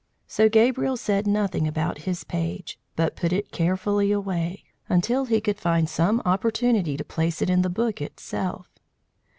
So Gabriel said nothing about his page, but put it carefully away, until he could find some opportunity to place it in the book itself.